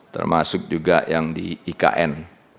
termasuk juga yang di ikn